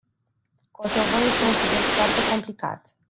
Kosovo este un subiect foarte complicat.